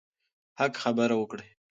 حق خبره وکړئ.